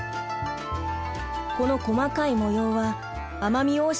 この細かい模様は奄美大島